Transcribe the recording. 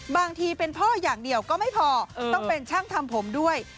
บางทีเป็นพ่ออย่างเดียวก็ไม่พอต้องเป็นช่างทำผมด้วย